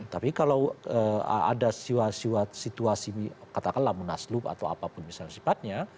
tapi kalau ada siwa siwa situasi katakanlah munaslup atau apapun misalnya sifatnya